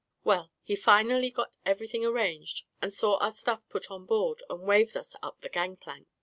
Well, he finally got everything ar ranged, and saw our stuff put on board, and waved us up the gang plank.